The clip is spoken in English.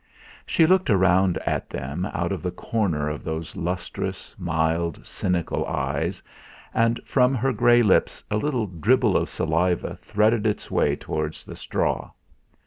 She looked round at them out of the corner of those lustrous, mild, cynical eyes, and from her grey lips a little dribble of saliva threaded its way towards the straw.